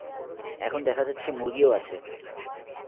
এখন দেখা যাচ্ছে মুরগিও আছে।